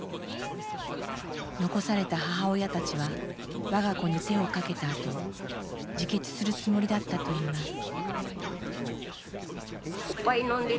残された母親たちは我が子に手をかけたあと自決するつもりだったといいます。